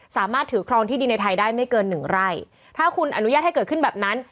สามารถถือครองที่ดินในไทยได้ไม่เกินหนึ่งไร่ถ้าคุณอนุญาตให้เกิดขึ้นแบบนั้น